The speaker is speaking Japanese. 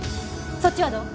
そっちはどう？